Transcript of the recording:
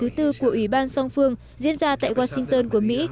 liên quan tới cuộc họp thứ tư của ủy ban song phương diễn ra tại washington của mỹ